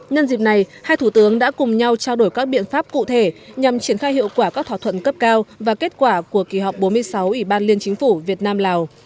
nhân dịp này hai thủ tướng đã cùng nhau trao đổi các biện pháp cụ thể nhằm triển khai hiệu quả các thỏa thuận cấp cao và kết quả của kỳ họp bốn mươi sáu ủy ban liên chính phủ việt nam lào